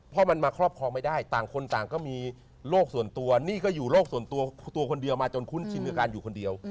เพราะมันมาครอบครองไม่ได้ต่างคนต่างก็มีโรคส่วนตัวนี่ก็อยู่โรคส่วนตัวตัวคนเดียวมาจนคุ้นชินกับการอยู่คนเดียว